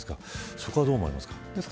そこは、どう思われますか。